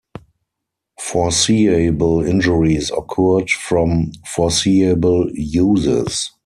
Foreseeable injuries occurred from foreseeable uses.